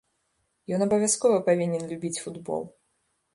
Ён абавязкова павінен любіць футбол.